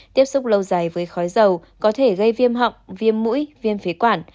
tiếp xúc lâu dài với khói dầu có thể gây viêm họng viêm mũi viêm phế quản